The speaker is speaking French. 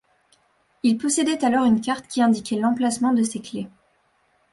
Il possédait alors une carte qui indiquait l'emplacement de ces clés.